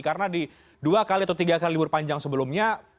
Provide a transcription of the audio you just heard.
karena di dua kali atau tiga kali libur panjang sebelumnya